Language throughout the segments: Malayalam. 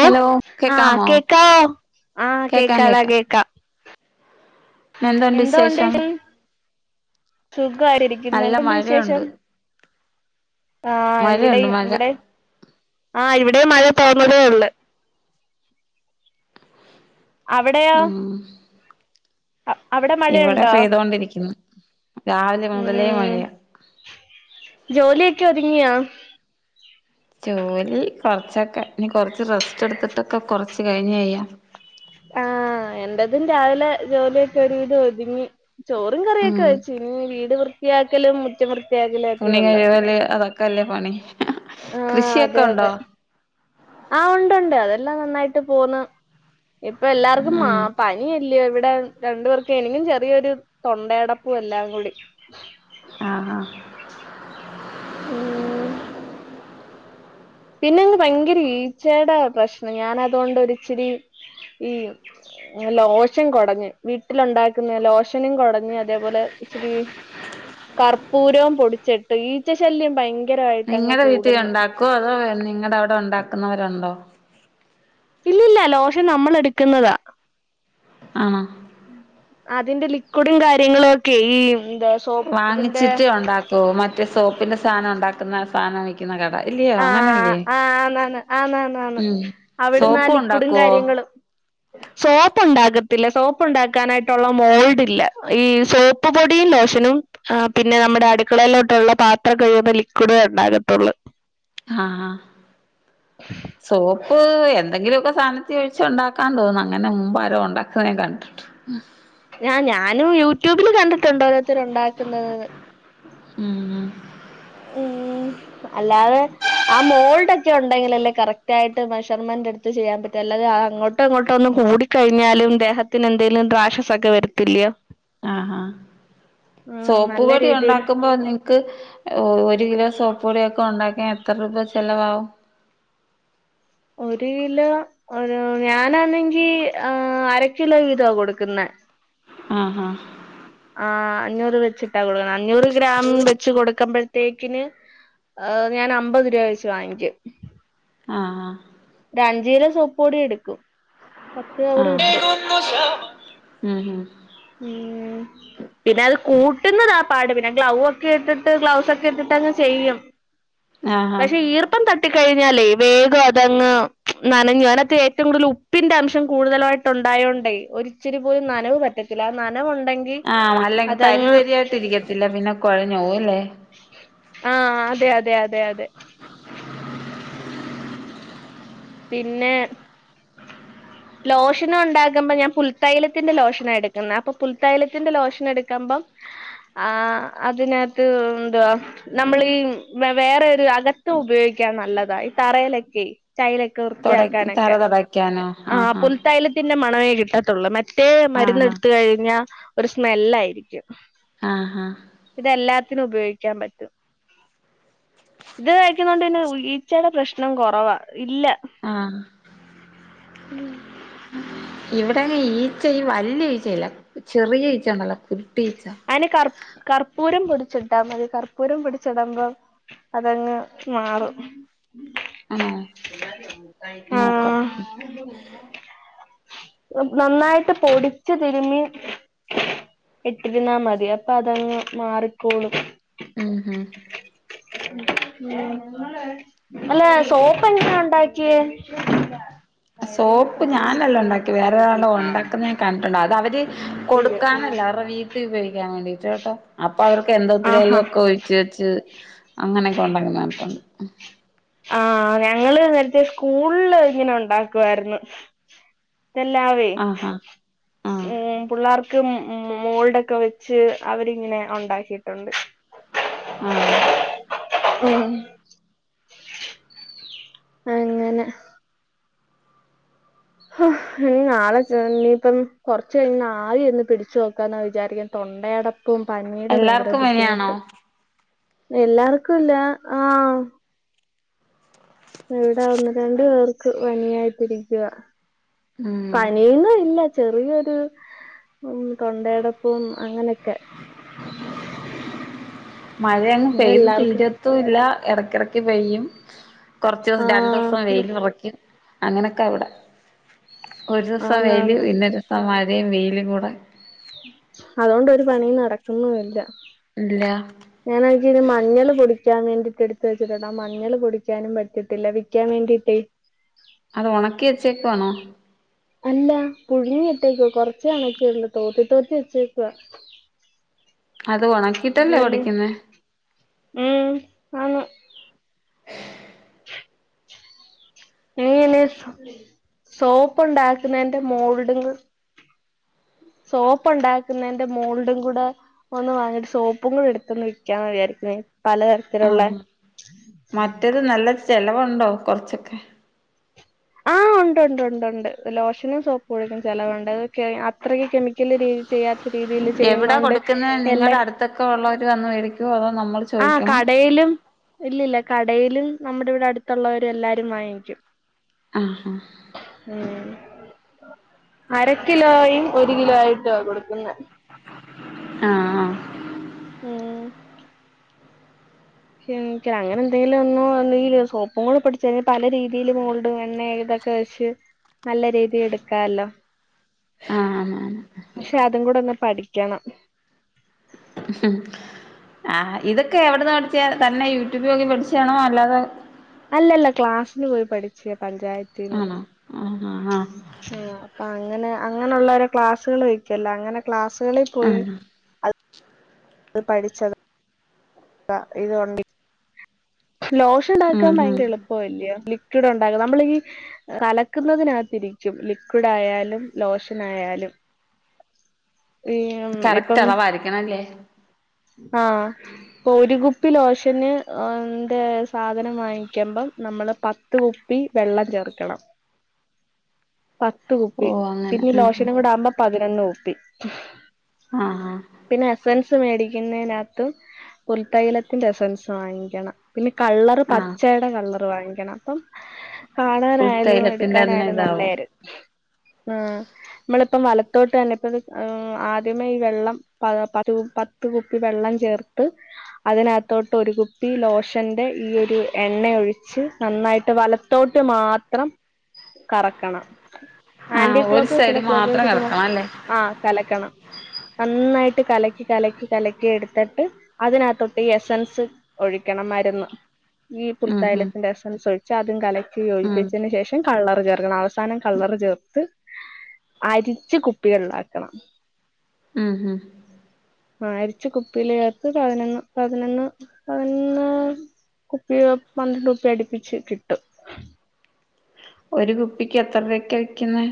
ഓ ഹലോ ആഹ് കേക്കാമോ? കേക്കാവോ ആഹ് കേക്കാം കേക്കാടാ കേക്കാം. പിന്ന എന്തുണ്ട് വിശേഷം? സുഖായിട്ടിരിക്കുന്ന്. നല്ല എന്തുണ്ട് മഴയുണ്ട് വിശേഷം? ആഹ് മഴയുണ്ട് ഇവിടെയും. മഴ ഇവിടെം ആഹ് ഇവിടെയും മഴ തോർന്നതേ ഒള്ളൂ. അവിടെയോ? ഉം അ- അവിടെ ഇവടെ മഴയുണ്ടോ പെയ്തോണ്ടിരിക്കുന്ന്. രാവിലെ മുതലേ ഉം മഴയാ. ജോലിയൊക്കെ ഒതുങ്ങിയോ? ജോലി കുറച്ചൊക്കെ. ഇനി കൊറച്ച് റസ്റ്റ് എടുത്തിട്ടൊക്കെ കുറച്ച് കഴിഞ്ഞെയ്യാം. ആഹ് എന്റതും രാവിലെ ജോലിയൊക്കെ ഒരുവിധം ഒതുങ്ങി. ചോറും കറിയൊക്കെ ഉം വച്ച്. ഇനി വീട് വൃത്തിയാക്കലും മുറ്റം വൃ തുണി കഴിവല് അതൊക്ക അല്ലേ പണി. ആഹ് അതെ കൃഷിയൊക്കെ ഉണ്ടോ അതെ. ആഹ് ഉണ്ട്ണ്ട് അതെല്ലാം നന്നായിട്ട് പോവ്ന്ന്. ഇപ്പെ എല്ലാർക്കും മാ ഉം പനിയല്ലയോ ഇവടെ രണ്ടു പേർക്ക് എനിക്കും ചെറിയൊരു തൊണ്ടയടപ്പും എല്ലാം കൂടി. ആഹ [unintelligible] ആഹാ ഉം പിന്നെന്ന് ഭയങ്കര ഈച്ചയുടെ പ്രശ്നം ഞാൻ അതോണ്ട് ഒര് ഇച്ചിരി ഈ ലോഷൻ കുടഞ്ഞ് വീട്ടിലുണ്ടാക്കുന്ന ലോശനും കുടഞ്ഞ് അതേപോലെ ഇച്ചിരി കർപ്പൂരവും പൊടിച്ചിട്ട് ഈച്ച ശല്യം ഭയ ങ്കരവായിട്ടങ്ങ് നിങ്ങടെ കൂട് വീട്ടിൽ ന്ന്. [unintelligible] നിങ്ങടെ അവടെ ഉണ്ടാക്കുന്നവരുണ്ടോ? ഇല്ലല്ല ലോഷൻ നമ്മള് എടുക്കുന്നതാ. ആണാ. അതിന്റെ ലിക്വിഡും കാര്യങ്ങളും ഒക്കെ ഈ എന്താ സോപ്പ് ഇതിന്റെ വാങ്ങിച്ചിട്ട് ഉണ്ടാക്കോ മറ്റ സോപ്പിന്റെ സാനം ഉണ്ടാക്കുന്ന സാനം വി ക്കുന്ന കട. ഇല്ലയോ ആഹ് അങ്ങനല്ലേ ആഹ് ആന്നാന്ന് ആന്നാന്നാന്ന് ഉം അവിടുന്ന് ആ സോപ്പും ലിക്വിഡും ഉണ്ടാക്കുവോ? [inaudible] സോപ്പ് ഉണ്ടാക്കത്തില്ല. സോപ്പ് ഉണ്ടാക്കാനായിട്ടുള്ള മോൾഡ് ഇല്ല ഈ സോപ്പ് പൊടിയും ലോഷനും ആഹ് പിന്നെ നമ്മുടെ അടുക്കളയിലോട്ട് ഉള്ള പാത്രം കഴിയുമ്പൊ ലിക്വിഡോ ഉണ്ടാക്കത്തുള്ളൂ ഹാ ഹാ സോപ്പ് എ ന്തെങ്കിലുമൊക്കെ സാനത്തി വെച്ച് ഉണ്ടാക്കാംന്ന് തോന്ന് അങ്ങനെ മുമ്പ് ആരോ ഉണ്ടാക്കുന്നേ ഞാൻ കണ്ട്ട്ടുണ്ട്. [unintelligible] ഞാ ഞാനും യൂട്യൂബില് കണ്ടിട്ടുണ്ട് ഓരോരുത്തരു ഉണ്ടാക്കുന്നത്. ഉം ഉം ഉം അല്ലാതെ ആ മോൾഡ് ഒക്കെ ഉണ്ടെങ്കിലല്ലേ കറക്റ്റ് ആയിട്ട് മെഷർമെന്റ് എടുത്ത് ചെയ്യാൻ പറ്റാ അല്ലാഞ്ഞാ അതങ്ങോട്ടോ ഇങ്ങോട്ടോ ഒന്നു കൂടി കഴിഞ്ഞാലും ദേഹത്തിന് എന്തേലും റാഷസൊക്കെ വരത്തില്ലയോ. ആഹാ ഉം നല്ല സോപ്പ്പൊടി രീതിയില് ഉണ്ടാക്കുമ്പോ ക്ക് ഒരു കിലോ സോപ്പൊടിയൊക്കെ ഉണ്ടാക്കാ എത്ര രൂപ ചെലവാവും? ഒരു കിലോ ഒരു ഞാനാണെങ്കി ആ അര കിലോ വീതാ കൊടുക്കുന്നെ അഹ് അഹ് ആ അഞ്ഞൂറ് വെച്ചിട്ടാ കൊടുക്കണം അഞ്ഞൂറ് ഗ്രാം വെച്ച് കൊടുക്കുമ്പ തേക്കിന് ഞാൻ അമ്പത് രൂപ വെച്ച് വാങ്ങിക്കും അഹ് അഹ് ഒരു അഞ്ച് കിലോ സോപ്പൊടി എടുക്കും പത്ത് കവറ് കിട്ടും അഹ് [unintelligible] ഉം പിന്നെ അത് കൂട്ടുന്നതാ പാട് പിന്നെ ഗ്ലൗ ഒക്കെ ഇട്ടിട്ട് ഗ്ലൗസ് ഒക്കെ ഇട്ടിട്ട് അങ്ങ് ചെയ്യും ആഹ് ആഹ് പക്ഷെ ഈർപ്പം തട്ടിക്കഴിഞ്ഞാലേ വേഗം അത് നനഞ്ഞു അതിനകത്ത് ഏറ്റവും കൂടുതൽ ഉപ്പിന്റെ അംശം കൂടുതലായിട്ട് ഉണ്ടായതോണ്ടേ ഒരു ഇച്ചിരി പോലും നനവ് പറ്റത്തില്ല നനവുണ്ടെങ്കിൽ ആഹ അല്ലെങ്കിൽ തരി തരി ആയിട്ട് ഇരിക്കത്തില്ല പിന്നെ കുഴഞ്ഞ പോവല്ലേ അഹ് അതെ അതെ അതെ അതെ പിന്നെ ലോഷനും ഉണ്ടാകുമ്പോ ഞാൻ പുൽത്തൈലത്തിന്റെ ലോഷനാ എടുക്കുന്നത് അപ്പൊ പുൽത്തൈലത്തിന്റെ ലോഷന് എടുക്കുമ്പം ആ അതിനകത്ത് എന്തുവാ നമ്മളീ വേറെ ഒരു അകത്ത് ഉപയോഗിക്കാൻ നല്ലതാ ഈ തറയിലൊക്കെ ടൈൽ ഒക്കെ വൃത്തിയാക്കാനൊക്കെ ക്യാനോ ആഹാ തൈലത്തിന്റെ മണവേ കിട്ടത്തുള്ളൂ മറ്റേ മരുന്ന് ആഹാ എടുത്ത കഴിഞ്ഞാ ഒരു സ്മെല്ല ആയിരിക്കും ആഹാ ഇതെല്ലാത്തിനും ഉപയോഗിക്കാൻ പറ്റും ഇത് ഒഴിക്കുന്നോണ്ട് പിന്നെ ഈച്ചയുടെ പ്രശ്നം കുറവാ ഇല്ല. ആഹ് ഉം ഇവിടെങ്ങെ ഈച്ച ഈ വലിയ ഈച്ചയില്ല ചെറിയ ഈച്ച ഇണ്ടല്ലോ കുട്ടി ഈച്ച അയിന് കർ കർപ്പൂരം പൊടിച്ചിട്ടാ മതി കർപ്പൂരം പിൊടിച്ചടമ്പോം അതങ്ങ് മാറും ആണോ നോക്കാം ആഹ് നന്നായിട്ട് പൊടിച്ച് തിരുമ്മി ഇട്ടിരുന്നാൽ മതി അപ്പൊ അതങ്ങ് മാറിക്കോളും ഉം ഹ് [unintelligible] അല്ല സോപ്പ എങ്ങനാ ഉണ്ടാക്കിയേ സോപ്പ് ഞാനല്ല ഉണ്ടാക്കി വേറെരാള് ഉണ്ടാക്കുന്ന ഞാൻ കണ്ടിട്ടുണ്ടതാ അത് അവര് കൊടുക്കാനല്ല അവരുടെ വീട്ടിൽ ഉപയോഗിക്കാൻ വേണ്ടി കേട്ടോ അപ്പൊ അവർക്ക് എന്താ ഒത്തിരി ആഹാ ഒക്കെ ഉച്ച വെച്ച് അങ്ങനെയൊക്കെ ഉണ്ടാക്കുന്നത് കണ്ടിട്ടുണ്ട് ആഹ് ഞങ്ങള് നേരത്തെ സ്കൂളില് ഇങ്ങനെ ഉണ്ടാക്കുവായിരുന്നു എല്ലാവേ ആഹാ ആഹ് ഉം പിള്ളേർക്ക് മോൾഡൊക്കെ വെച്ച് അവരിങ്ങനെ ഉണ്ടാക്കിയിട്ടുണ്ട് ആഹ് ഉം അങ്ങനെ ആഹ് ഇനി നാളെ ഇനയിപ്പം കൊറച്ച കഴിഞ് ആവി ഒന്ന് പിടിച് നോക്കാന്നാ വിചാരിക്കൻ തൊണ്ടയട ഇപ്പം പനിയുടെ ഭയങ്കര എല്ലാർക്കും പനിയാണോ ബുദ്ധിമുട്ട് എല്ലാർക്കുംല്ല ആഹ് ഇവിടെ ഒന്ന് രണ്ട് പേർക്ക് പനിയായിട്ടരിക്കുക ഉം പനിയന്നും ഇല്ല ചെറിയൊരു ഉം തൊണ്ടയടപ്പും അങ്ങനെയൊക്കെ മഴ അങ് പെയ്ത് എല്ലാർക്കും തീരത്തുല്ല ഇടക്കിടക്ക് പെയ്യും കൊറച്ച് രണ്ടു ദിവസം ആഹ് വെയില് ഉറക്കും അങ്ങനെയൊക്കെ ഇവിടെ ഒരു ദിവസം വെയില് ആന്നാന്ന് പിന്നൊരു ദിവസം മഴയും വെയിലും കൂടെ അതുകൊണ്ടരു പണി നടക്കുന്നുല്ല ഇല്ല ഞാനാണെങ്കി ഇന്ന് മഞ്ഞൾ പൊടിക്കാൻ വേണ്ടീയിട്ട് എടുത്ത് വെച്ചിട്ടടാ മഞ്ഞള് പൊടിക്കാനും പറ്റിട്ടില്ല വിക്കാൻ വേണ്ടീട്ടേ അത് ഉണക്കി വെച്ചേക്ക വേണോ അല്ല പുഴുങ്ങി ഇട്ടേക്ക കൊറച്ച കണക്കിണ്ട് തോത്തി തോത്തി വെച്ചേക്കുവാ അത് ഒണ അതുല്ല ഉം ആന്നു നീ ഇലേ സോപ്പ് ഉണ്ടാക്കുന്നതിന്റെ മോൾഡങ് സോപ്പ് ഉണ്ടാക്കുന്നതിന്റെ മോൾഡും കൂടെ ഒന്ന് വാങ്ങിട്ട് സോപ്പും കും എടുത്തന്ന് വിൽക്കാൻതിയരിക്കുന്ന പല ആഹ് മറ്റത് നല്ല ചിലവുണ്ടോ കൊറച്ചൊക്കെ ആഹ് ഉണ്ട് ഉണ്ട് ഉണ്ട്ണ്ട് ലോഷനും സോപ്പും ഒഴിക്കും ചെലവുണ്ട് അത്രയും കെമിക്കല് ഒരിക്കല രീതി ചെയ്യാത്ത രീതിൽ എവിടാ ചെയ്യുന്നുണ്ട് കൊടുക്കുന്നെ നിങ്ങടെ എല്ലാം അടുത്തൊക്കെ ഉള്ളവര് വന്ന് മേടിക്കുവോ അതോ നമ്മൾ ആഹ് ചോദിക്കണോ കടയിലും ഇല്ലല്ല കടയിലും നമ്മുടെ ഇവിടെ അടുത്തുള്ളവര് എല്ലാരും വാങ്ങിക്കും ആഹ് ഹ ഉം അര കിലോയും ഒരു കിലോ ആയിട്ടാ കൊടുക്കുന്നത് ആഹ് ആഹ് ഉം എനിക്ക അങ്ങനെ എന്തെങ്കിലും ഒന്നോ സോപ്പും കൂടി പഠിച്ചച്ച് പല രീതിയിൽ മോൾഡും എണ്ണ ഏതൊക്കെ അത്യാവശ്യം നല്ല രീതി എടുക്കാല്ലോ ആഹ് ആഹ് ആഹ് പക്ഷെ അതും കൂടെ ഒന്ന് പഠിക്കണം ഉം ആഹ് ഇതൊക്കെ എവിടന്ന് പഠിച്ച തന്നെ യൂട്യൂബിലക്കെ പഠിച്ചണോ അല്ലാതെ അല്ലല്ല ക്ലാസ്സിന് പോയി പഠിച്ച പഞ്ചായതീന്ന് ആണോ ആഹ് ആഹ് ആഹ് ആഹ് ആ അങ്ങനെ അങ്ങനെയുള്ളരെ ക്ലാസ്സുകൾ വെക്കല്ല അങ്ങനെ ക്ലാസ്സുകളിൽ പോയി ആഹ് അ പഠിച്ച താ ഇതൊണ്ടി ലോഷൻ ഉം ഇണ്ടാക്കാൻ ഉം ഭയങ്കര എളുപ്പല്ല്യോ ലിക്വിഡ് ഉണ്ടകുക നമ്മളീ കലക്കുന്നതിനകത്തിരിച്ചും ലിക്വിഡ് ആയാലും ലോഷനായാലും. കറക്റ്റ് ഇപ്പം അളവായിരിക്കണല്ലേ? ആഹ്. ഒരു കുപ്പി ലോഷന് ന്റെ സാധനം വാങ്ങിക്കുമ്പം നമ്മള് പ പത്ത് കുപ്പി വെള്ളം ചേർക്കണം. പത്ത് കുപ്പി ഓഹ് അങ്ങനെ പിന്നെ ആഹ് ലോഷനും കൂടെ ആവുമ്പോ പതിനൊന്ന് കുപ്പി. ആഹ ആഹ്. പിന്നെ എസ്സെൻസ് മേടിക്കുന്നയ്നകത്ത് പുൽത്തൈലത്തിന്റെ എസ്സെൻസ് വാങ്ങിക്കണം. പിന്നെ കള്ളർ ആഹ് പച്ചയുടെ കള്ളറ് വാങ്ങിക്കണം അപ്പം. ഫുൾ കാണാനായാലും തൈലത്തിന്റെ തന്നെ എടുക്കാനായാലും ഇതാവും നല്ലരു ആഹ്. നമ്മളിപ്പം വലത്തോട്ട് തന്നെ ഇപ്പ മ് ആദ്യമേ ഈ വെള്ളം [unintelligible] പത്ത് കുപ്പി വെള്ളം ചേർത്ത്. അതിനകത്തോട്ട് ഒരു കുപ്പി ലോഷന്റെ ഈ ഒരു എണ്ണയൊഴിച്ച് നന്നായിട്ട് വല ത്തോട്ട് മാത്രം കറക്കണം. ആന്റി ആഹ് ഒരു ക്ലോക്ക് സൈഡ് മാത്രം [unintelligible] കറക്കണം അല്ലേ ആഹ് കലക്കണം നന്നായിട്ട് കലക്കി കലക്കി. കലക്കി എടുത്തിട്ട് അതിനകതൊട്ട് എസൻസ് ഒഴിക്കണം മരുന്ന്. ഈ ഉം ഉം പുൽത്തയലത്തിന്റെ എസ്സെൻസ് ഒഴിച്ച് അതും കലക്കി ഉം യോജിപ്പിച്ചതിന് ശേഷം, കള്ളറ് ചേർക്കണം അവസാനം കള്ളറ് ചേർത്ത് അരിച്ച് കുപ്പികൾ ആക്കണം. ഉം ഉം. അരിച്ച് കുപ്പിലേർത്ത് പതിനൊന്ന് പതിനൊന്ന് പതിനൊന്ന്. കുപ്പി പന്ത്രണ്ട് കുപ്പി അട്പ്പിച്ച് കിട്ടും. ഒരു കുപ്പിക്ക് എത്തർവക്കാ വിക്കുന്നെ?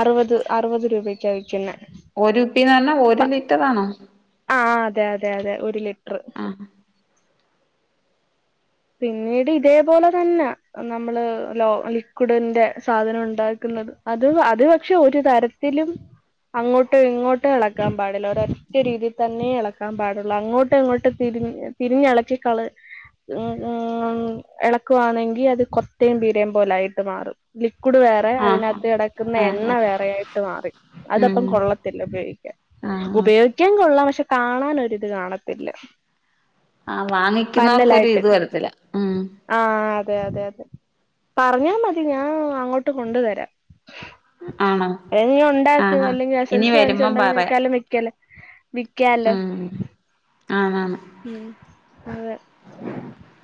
അറുവത് അറുവത് രൂപക്കാ വിക്കുന്നെ. ഒരുപ്പിന്ന് പറഞ്ഞ ഒരു ലിറ്ററാണോ? ആഹ് അതെയതെയതെ ഒരു ലിറ്റ്റ് [unintelligible] പിന്നീട് ഇതേപോലെ തന്നാ നമ്മള് ലോ ലിക്വിഡിന്റെ സാധനം ഒണ്ടാക്കുന്നത് അത് അത്പക്ഷെ ഒരു തര ത്തിലും. അങ്ങോട്ടു ഇങ്ങോട്ടും എളക്കാൻ പാടില്ല ഒരൊറ്റ രീതി തന്നേ എളക്കാൻ പാടുള്ള് അങ്ങോട്ടു ഇങ്ങോട്ടും. തിരിമി തിരിഞ്ഞെളക്കിക്കള് അ ആആ എളക്കുവാണെങ്കി അത് കൊത്തേം പീരേം പോലായിട്ട് മാറും. ലിക്കുഡ് വേറെ ആഹ് അതിനാത്ത് കെടക്ക്ന്ന ആഹ് എണ്ണ ആഹ് വേറെ ആയിട്ട് മാറി. അതപ്പം ഉം കൊള്ളത്തില്ല ഉപയോഗിക്കാൻ. ആഹ്. ആഹ് ഉപയോഗിക്കാൻ കൊള്ളാം പക്ഷെ കാണാനൊരിത് കാണത്തില്ല. ആഹ് വാങ്ങിക്കുന്നോർക്കൊരു പന്നലായിട്ട് ഇത് വരത്തില്ല. ഉം ആഹ് അതെ അതെ അതെ. പറഞ്ഞാമതി ഞാൻ അങ്ങോട്ട് കൊണ്ട് തെരാം. ആണോ എനി ഒണ്ടാക്കു ആഹാ അല്ലെങ്കി ഇനി എസ്സെൻസ് വരുമ്പം പറയാം വാങ്ങിച്ചൊണ്ടാക്കുന്നക്കാലം വിക്കാലൊ വിക്കാല്ലോ? ആഹ് വാങ്ങാം. ഉം അതെ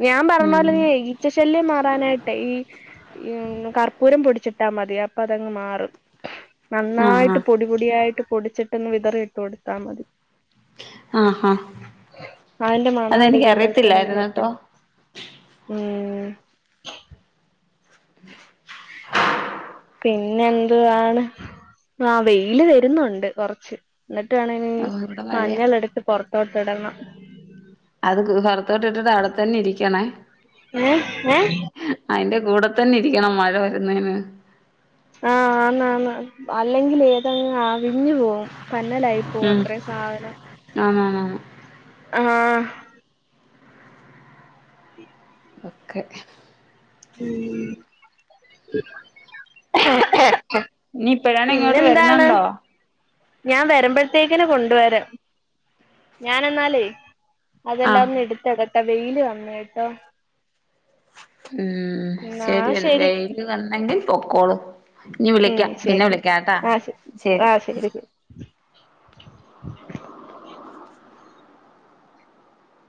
ഞാൻ ഉം പറഞ്ഞോലെ [unintelligible] ച്ച ശല്യം മാറാനായിട്ടെ ഈ. ഇയ് കർപ്പൂരം പൊടിച്ചിട്ടാ മതി അപ്പതങ്ങ് മാറും. ആഹ് നന്നായിട്ട് പൊടിപൊടിയായിട്ട് പൊടിച്ചിട്ട്ന്ന് വിതറിയിട്ടൊടുത്താ മതി ആഹാഹാ ആന്റെ മണം അടിക്കുമ്പഴത്തേന് പിന്നൊട്ടും ഉം [inaudible] പിന്നെന്തുവാണ് ആ വെയ്ല് വെരുന്നൊണ്ട് കൊറച്ച് ന്ന്ട്ട് വേണെവിന്നി ഓഹ് ഇവിടെ മഴയാ മഞ്ഞളെട്ത്ത് പൊറത്തോട്ട്ടണം അത് ക് പൊറൊത്തോട്ട് ട്ട്ട്ട് അവിടത്തന്നിരിക്കണേ ഏ ഏ അയ്ന്റെ കൂടെ തന്നിരിക്കണം മഴ വരുന്നെന് ആഹ് ആന്നാന്ന് അല്ലെങ്കിലെ ഏതങ് പിഞ്ഞ് പോവും പന്നലായി പോവും അത്രെ സാധനം ആന്നാന്നാന്ന് ആഹ് [inaudible] ഒക്കെ [unintelligible] നീ പ്പഴാണിങ്ങോട്ട് പിന്നെന്താണ് വെരുന്നൊണ്ടോ ഞാൻ വെരുമ്പോഴത്തേക്കിന് കൊണ്ട് വരാം ഞാനെന്നാലെ അതെല്ലാം ആഹ് ഒന്ന് എട്ത്തിടട്ടെ വെയില് വന്ന്ഏട്ടോ ഉം ശെരി ശരി വെയില് വന്നെങ്കിൽ പൊക്കോളു ഞ്ഞ് ഉം വിളിക്കാ പിന്ന വിളിക്കാട്ടാ ശരി ശെരി [inaudible]